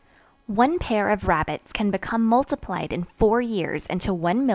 One pair of rabbits can become multiplied in four years into 1,250,000.